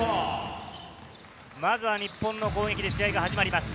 まずは日本の攻撃で試合が始まります。